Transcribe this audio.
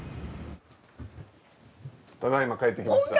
ただいま帰ってきました。